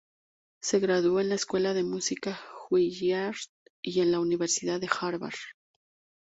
Se graduó en la Escuela de Música Juilliard y en la Universidad de Harvard.